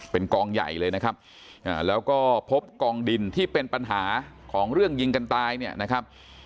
เป็นกองใหญ่เลยนะครับแล้วก็พบกองดินที่เป็นปัญหาของเรื่องยิงกันตายเนี่ยนะครับ